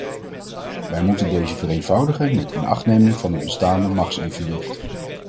Wij moeten deze vereenvoudigen met inachtneming van het bestaande machtsevenwicht.